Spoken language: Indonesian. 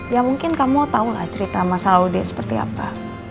ya mungkin kamu tau lah cerita mas aludin seperti apa